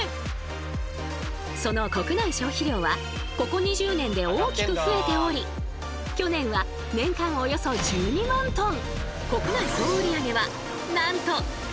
その国内消費量はここ２０年で大きく増えており去年は年間およそ１２万トン。